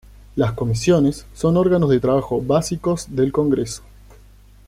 Las Comisiones son órganos de trabajo básicos del Congreso.